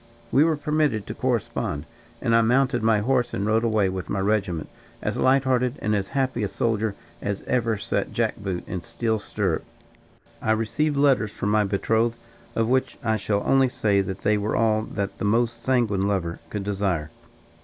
We were permitted to correspond, and I mounted my horse and rode away with my regiment, as light hearted and as happy a soldier as ever set jack boot in steel stirrup. I received letters from my betrothed, of which I shall only say that they were all that the most sanguine lover could desire.